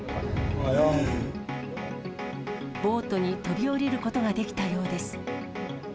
ボートに飛び降りることができたようです。